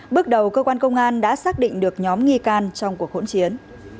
bước đầu cơ quan công an đã xác định được nhóm nghi can trong cuộc hỗn chiến